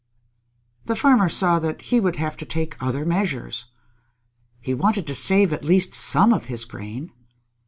The Farmer saw that he would have to take other measures. He wanted to save at least some of his grain.